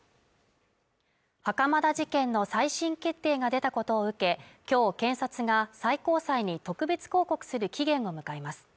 袴田事件の再審決定が出たことを受け、今日検察が最高裁に特別抗告する期限を迎えます。